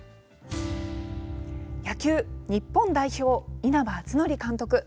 野球日本代表・稲葉篤紀監督。